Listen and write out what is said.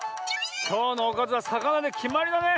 きょうのおかずはさかなできまりだね。